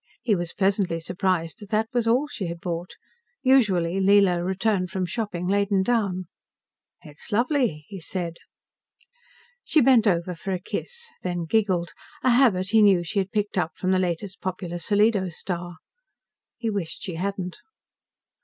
He was pleasantly surprised that that was all she had bought. Usually, Leela returned from shopping laden down. "It's lovely," he said. She bent over for a kiss, then giggled a habit he knew she had picked up from the latest popular solido star. He wished she hadn't.